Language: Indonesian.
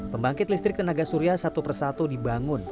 pembangkit listrik tenaga surya satu persatu dibangun